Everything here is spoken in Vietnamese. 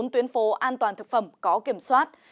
một mươi bốn tuyến phố an toàn thực phẩm có kiểm soát